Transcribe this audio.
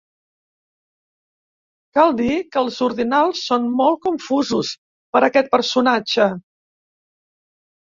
Cal dir que els ordinals són molt confusos per aquest personatge.